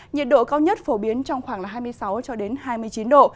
nhiệt độ cao nhất phổ biến trong khoảng hai mươi sáu hai mươi tám độ